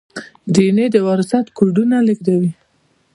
ډي این اې د وراثت کوډونه لیږدوي